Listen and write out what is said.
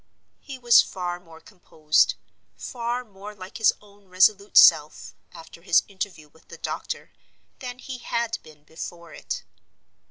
He was far more composed, far more like his own resolute self, after his interview with the doctor, than he had been before it.